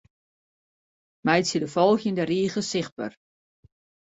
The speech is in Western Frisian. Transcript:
Meitsje de folgjende rige sichtber.